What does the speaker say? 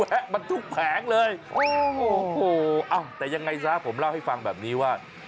และมันทุกแผงเลยโอ้โหเอ้าแต่ยังไงซะผมเล่าให้ฟังแบบนี้ว่า